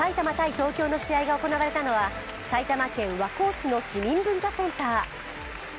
東京の試合が行われたのは埼玉県和光市の市民文化センター。